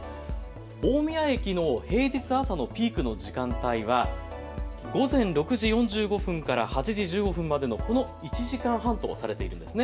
大宮駅の平日朝のピークの時間帯が午前６時４５分から８時１５分までの１時間半とされているんです。